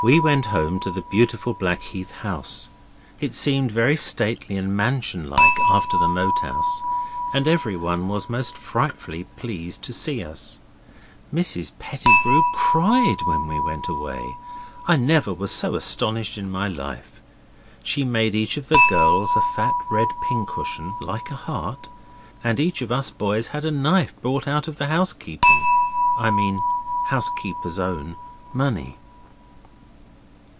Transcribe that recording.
We went home to the beautiful Blackheath house. It seemed very stately and mansion like after the Moat House, and everyone was most frightfully pleased to see us. Mrs Pettigrew CRIED when we went away. I never was so astonished in my life. She made each of the girls a fat red pincushion like a heart, and each of us boys had a knife bought out of the housekeeping (I mean housekeeper's own) money.